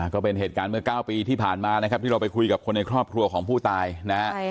ก็เป็นเหตุการณ์เมื่อ๙ปีที่ผ่านมานะครับที่เราไปคุยกับคนในครอบครัวของผู้ตายนะฮะ